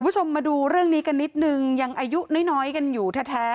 คุณผู้ชมมาดูเรื่องนี้กันนิดนึงยังอายุน้อยกันอยู่แท้